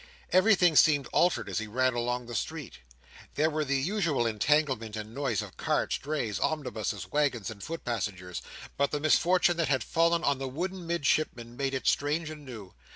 Everything seemed altered as he ran along the streets. There were the usual entanglement and noise of carts, drays, omnibuses, waggons, and foot passengers, but the misfortune that had fallen on the wooden Midshipman made it strange and new.